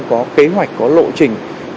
có kế hoạch có lộ trình